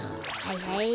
はいはい。